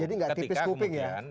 jadi enggak tipis kuping ya